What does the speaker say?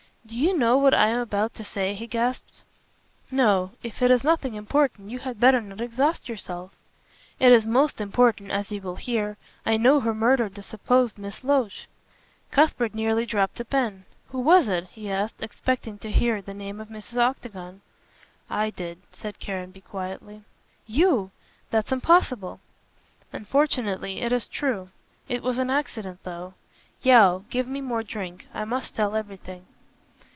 "Do you know what I am about to say?" he gasped. "No. If it is nothing important you had better not exhaust yourself." "It is most important, as you will hear. I know who murdered the supposed Miss Loach." Cuthbert nearly dropped the pen. "Who was it?" he asked, expecting to hear the name of Mrs. Octagon. "I did!" said Caranby, quietly. "You! that's impossible." "Unfortunately it is true. It was an accident, though. Yeo, give me more drink; I must tell everything."